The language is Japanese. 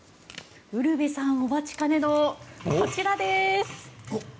ウルヴェさんお待ちかねのこちらです。